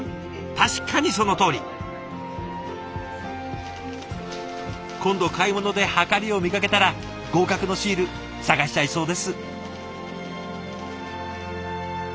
確かにそのとおり。今度買い物ではかりを見かけたら合格のシール探しちゃいそうです。